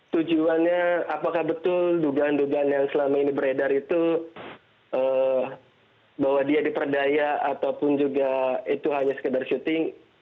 tujuannya apakah betul dugaan dugaan yang selama ini beredar itu bahwa dia diperdaya ataupun juga itu hanya sekedar syuting